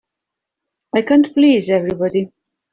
I can't please everybody.